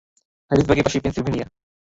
হ্যারিসবার্গের পাশেই, পেন্সিলভেনিয়ায়।